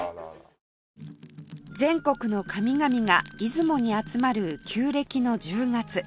全国の神々が出雲に集まる旧暦の１０月